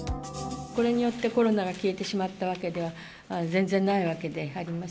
これによってコロナが消えてしまったわけでは全然ないわけであります。